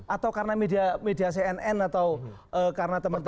atau karena media cnn atau karena teman teman